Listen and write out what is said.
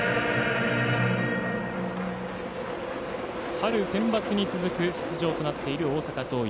春、センバツに続く出場となっている大阪桐蔭。